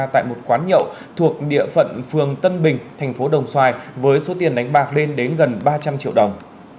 tại một quán nhậu thuộc địa phận phường tân bình thành phố đồng xoài với số tiền đánh bạc lên đến gần ba trăm linh triệu đồng